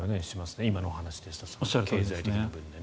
今の話ですと、経済的な分でね。